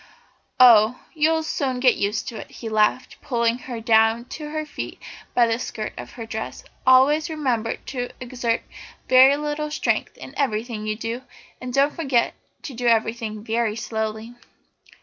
"Oh, you'll soon get used to it," he laughed, pulling her down on to her feet by the skirt of her dress; "always remember to exert very little strength in everything you do, and don't forget to do everything very slowly."